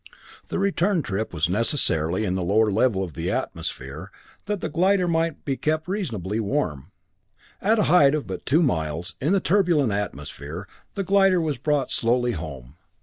The return trip was necessarily in the lower level of the atmosphere, that the glider might be kept reasonably warm. At a height of but two miles, in the turbulent atmosphere, the glider was brought slowly home.